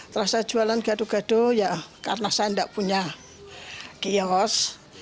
terasa jualan gaduh gaduh ya karena saya gak punya kiosk